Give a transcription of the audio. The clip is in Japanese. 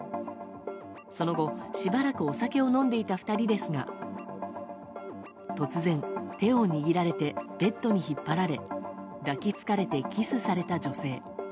その後、しばらくお酒を飲んでいた２人ですが突然、手を握られてベッドに引っ張られ抱きつかれてキスされた女性。